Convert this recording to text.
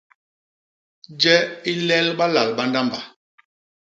Je i lel balal ba ndamba.